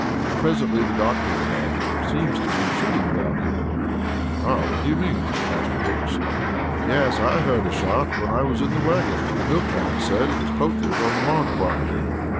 Presently the doctor remarked: "Seems to be shooting around here." "How? What do you mean?" asked Oakes. "Yes, I heard a shot when I was in the wagon. The milkman said it was poachers on the Mark property."